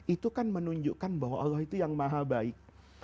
itu kan menunjukkan bahwa allah itu yang maha baik